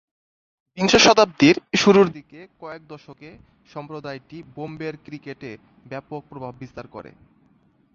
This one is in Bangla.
বিংশ শতাব্দীর শুরুরদিকে কয়েক দশক এ সম্প্রদায়টি বোম্বের ক্রিকেটে ব্যাপক প্রভাববিস্তার করে।